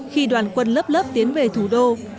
khi đoàn quân lớp lớp tiến về thủ đô